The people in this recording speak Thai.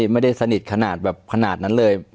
ไม่ได้สนิทขนาดนั้นเลย